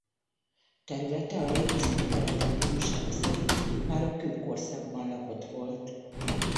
Területe a régészeti leletek tanúsága szerint már a kőkorszakban lakott volt.